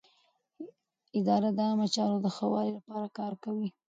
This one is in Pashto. اداره د عامه چارو د ښه والي لپاره کار کوي.